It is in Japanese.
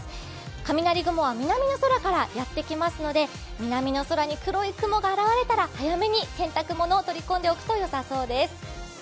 雷雲は南の空からやってきますので南の空に黒い雲が現れたら早めに洗濯ものを取り込んだ方がよさそうです。